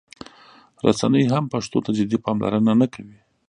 رسنۍ هم پښتو ته جدي پاملرنه نه کوي.